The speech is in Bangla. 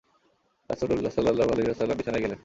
রাসূলল্লাহ সাল্লাল্লাহু আলাইহি ওয়াসাল্লাম বিছানায় গেলেন।